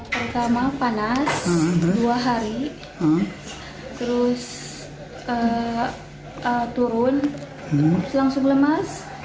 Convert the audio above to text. pertama panas dua hari terus turun langsung lemas